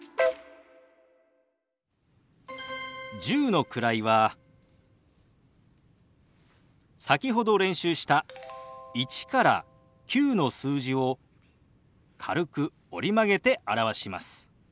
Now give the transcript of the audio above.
１０の位は先ほど練習した１から９の数字を軽く折り曲げて表します。